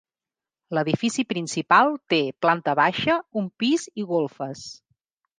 L'edifici principal té planta baixa, un pis i golfes.